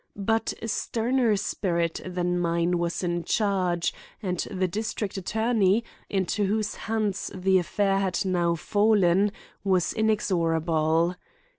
But a sterner spirit than mine was in charge, and the district attorney, into whose hands the affair had now fallen, was inexorable.